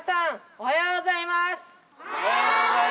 おはようございます。